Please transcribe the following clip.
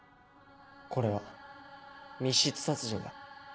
これは密室殺人だ。